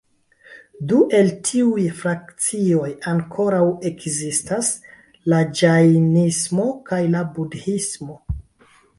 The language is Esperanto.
Du el tiuj frakcioj ankoraŭ ekzistas: la ĝajnismo kaj la budhismo.